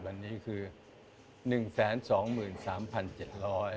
วันนี้คือ๑๒๓๗๐๐บาท